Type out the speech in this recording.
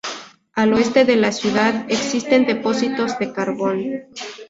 Al oeste de la ciudad existen depósitos de carbón.